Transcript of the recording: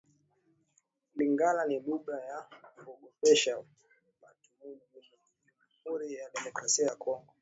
Lingala ni luga ya kuogopesha batu mu jamhuri ya kidemocrasia ya kongo